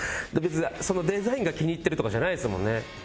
別にそのデザインが気に入ってるとかじゃないですもんね。